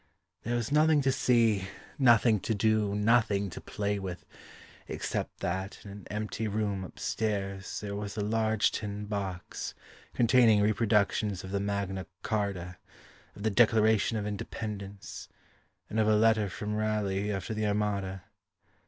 There was nothing to see, Nothing to do, Nothing to play with, Except that in an empty room upstairs There was a large tin box Containing reproductions of the Magna Charta, Of the Declaration of Independence And of a letter from Raleigh after the Armada.